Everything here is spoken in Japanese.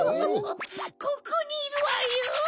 ここにいるわよ。